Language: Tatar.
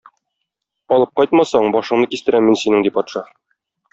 Алып кайтмасаң, башыңны кистерәм мин синең", - ди патша.